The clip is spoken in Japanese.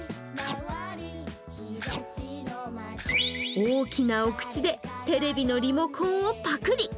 大きなお口でテレビのリモコンをパクり。